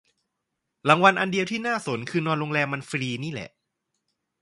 รางวัลอันเดียวที่น่าสนคือนอนโรงแรมมันฟรีนี่แหละ